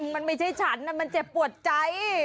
มันไม่ใช่ฉันมันเจ็บปวดใจ